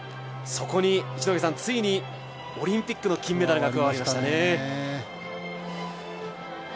そこについにオリンピックの金メダルが加わりましたね。